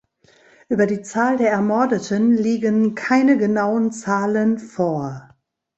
Über die Zahl der Ermordeten liegen keine genauen Zahlen vor.